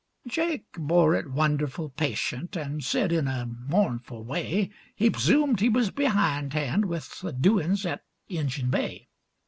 Jake bore it wonderful patient, an' said in a mournful way, He p'sumed he was behindhand with the doin's at Injun Bay.